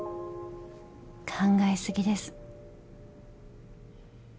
考え過ぎです。